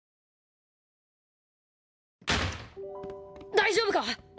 大丈夫か？